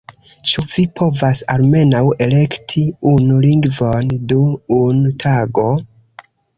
— Ĉu vi povas almenaŭ elekti unu lingvon dum unu tago?!